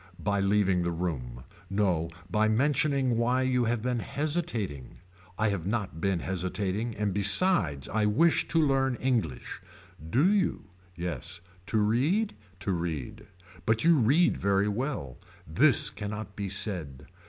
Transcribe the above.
By leaving the room. No by mentioning why you have been hesitating. I have not been hesitating and besides I wish to learn English. Do you. Yes. To read. To read. But you read very well. This cannot be said.